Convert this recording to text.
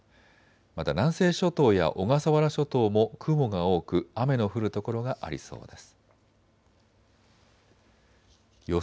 また南西諸島や小笠原諸島も雲が多く雨の降る所がありそうです。